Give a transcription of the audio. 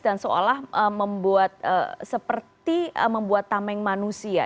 dan seolah membuat seperti membuat tameng manusia